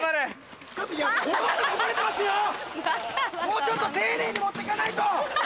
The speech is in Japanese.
もうちょっと丁寧に持ってかないと！